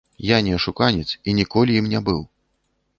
Я не ашуканец і ніколі ім не быў.